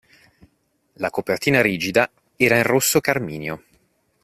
La copertina rigida era in rosso carminio.